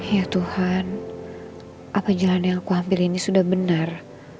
ya tuhan apa jalan yang aku ambil ini sudah benar